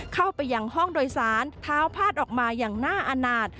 เข้าไปยังห้องโดยสารเท้าพาดออกมาอย่างน่าอาณาจ